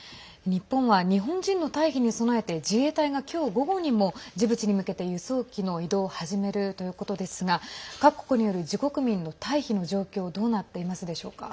日本は日本人の退避に備えて自衛隊が今日午後にもジブチに向けて輸送機の移動を始めるということですが各国による自国民の退避の状況どうなっていますでしょうか。